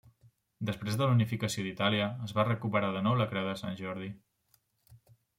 Després de la Unificació d'Itàlia es va recuperar de nou la Creu de Sant Jordi.